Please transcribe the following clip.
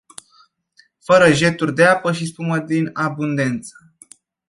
Fără jeturi de apă și spumă din abundență.